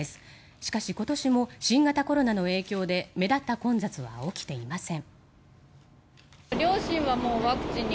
しかし、今年も新型コロナの影響で目立った混雑は起きていません。